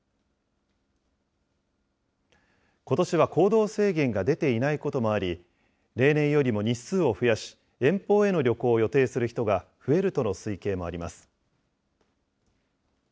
ことしは行動制限が出ていないこともあり、例年よりも日数を増やし、遠方への旅行を予定する人が増えるとの推計もあります。